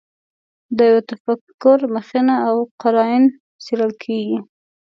د یوه تفکر مخینه او قراین څېړل کېږي.